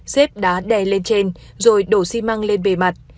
xếp đá đè lên trên rồi đổ xi măng lên bề mặt